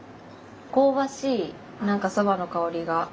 香ばしいなんかそばの香りが。